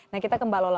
nah kita ke mbak lola